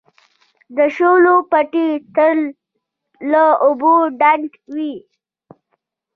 د شولو پټي تل له اوبو ډنډ وي.